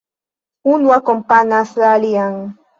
Unu akompanas la alian.